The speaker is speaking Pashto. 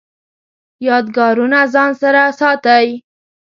یادګارونه ځان سره ساتئ؟